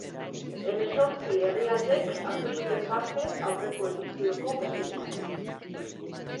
Hemezortzi herrialdek hartu zuten parte, aurreko edizioko berdinak.